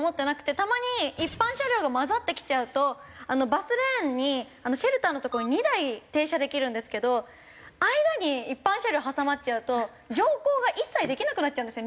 たまに一般車両が交ざってきちゃうとバスレーンにシェルターの所に２台停車できるんですけど間に一般車両挟まっちゃうと乗降が一切できなくなっちゃうんですよ